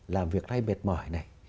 làm việc hay mệt mỏi này